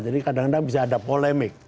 jadi kadang kadang bisa ada polemik